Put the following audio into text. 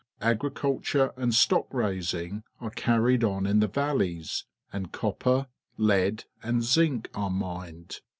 Agriculture and stock raising are carried on in the valleys, and copper, lead, and zinc are mined.